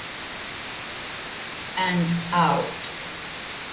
And Out!